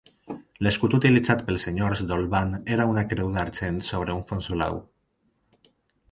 L'escut utilitzat pels senyors d'Olvan era una creu d'argent sobre un fons blau.